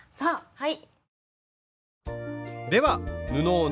はい。